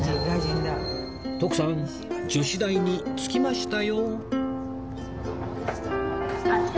徳さん女子大に着きましたよ